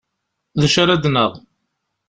D acu ara ad d-naɣ?